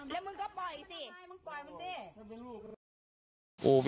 แล้วมึงก็ปล่อยสิ